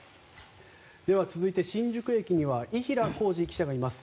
続いて新宿駅には伊平晃司記者がいます。